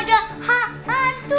hah ada hantu